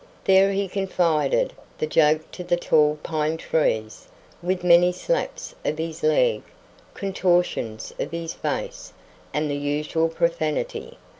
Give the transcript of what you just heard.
There he confided the joke to the tall pine trees, with many slaps of his leg, contortions of his face, and the usual profanity.